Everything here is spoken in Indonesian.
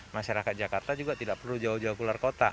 masyarakat jakarta juga tidak perlu jauh jauh keluar kota